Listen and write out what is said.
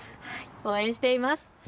応援しています。